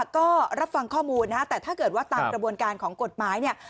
ก็รับฟังข้อมูลนะฮะแต่ถ้าเกิดว่าตามกระบวนการของกฎหมายเนี่ย